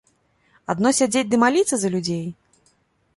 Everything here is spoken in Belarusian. Адно сядзець ды маліцца за людзей?